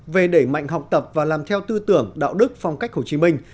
về đẩy mạnh học tập và làm theo tư tưởng đạo đức phong cách hồ chí minh